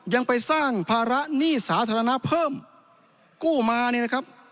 ยังไปสร้างภาระหนี้สาธารณะเพิ่มกู้มาเนี่ยนะครับ